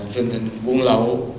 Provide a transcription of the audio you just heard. tình hình buôn lẩu